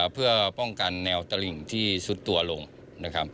เพื่อป้องกันแนวตลิ่งที่สุดตัวลงนะครับ